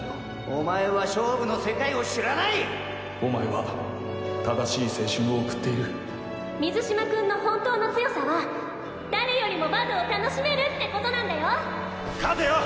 お前は勝負の世界を知らないお前は正しい青春を送水嶋君の本当の強さは誰よりもバドを楽しめるってことなんだよ勝てよ！